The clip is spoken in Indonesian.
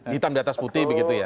hitam di atas putih begitu ya